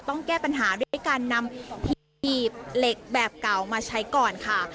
แก้ปัญหาด้วยการนำหีบเหล็กแบบเก่ามาใช้ก่อนค่ะ